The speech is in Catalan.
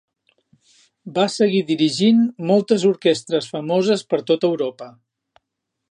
Va seguir dirigint moltes orquestres famoses per tot Europa.